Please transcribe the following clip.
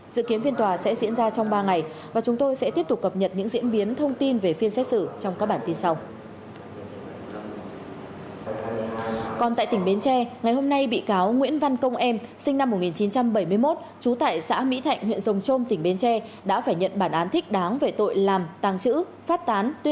dự kiến phiên tòa sẽ diễn ra trong ba ngày và chúng tôi sẽ tiếp tục cập nhật những diễn biến thông tin về phiên xét xử trong các bản tin sau